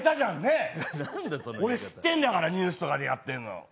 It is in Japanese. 俺知ってんだからニュースとかでやってんの。